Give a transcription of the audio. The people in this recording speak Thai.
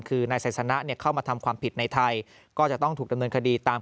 คือนายสัยสนะเข้ามาทำความผิดในไทยก็จะต้องถูกดำเนินคดีตาม